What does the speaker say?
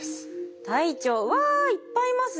うわいっぱいいますね。